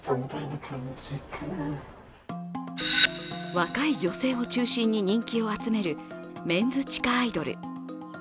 若い女性を中心に人気を集めるメンズ地下アイドル。